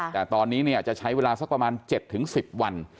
แต่ตอนนี้จะใช้เวลาสักประมาณ๗๑๐วัน